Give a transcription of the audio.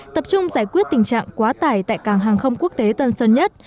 tập trung giải quyết tình trạng quá tải tại càng hàng không quốc tế tân sân nhất